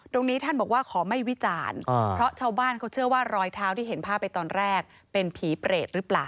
ตรงนี้ท่านบอกว่าขอไม่วิจารณ์เพราะชาวบ้านเขาเชื่อว่ารอยเท้าที่เห็นภาพไปตอนแรกเป็นผีเปรตหรือเปล่า